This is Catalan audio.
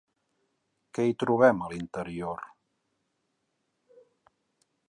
Què hi trobem a l'interior?